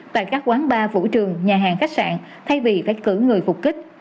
tại các quán bar vũ trường nhà hàng khách sạn thay vì phải cử người phục kích